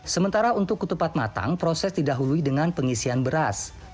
sementara untuk ketupat matang proses didahului dengan pengisian beras